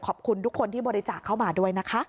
ขอบคุณทุกคนที่บริจาคเข้ามาด้วยนะคะ